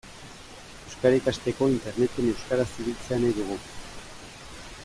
Euskara ikasteko Interneten euskaraz ibiltzea nahi dugu.